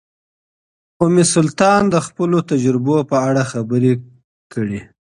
ام سلطان د خپلو تجربو په اړه خبرې کړې.